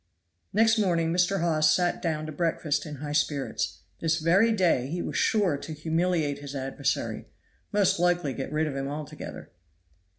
Next morning Mr. Hawes sat down to breakfast in high spirits. This very day he was sure to humiliate his adversary, most likely get rid of him altogether.